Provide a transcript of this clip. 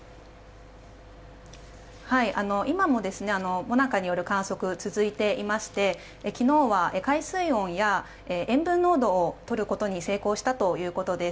今もＭＯＮＡＣＡによる観測は続いていまして昨日は海水温や塩分濃度をとることに成功したということです。